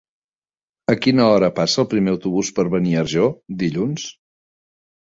A quina hora passa el primer autobús per Beniarjó dilluns?